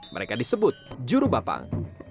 mereka disebut jurubapang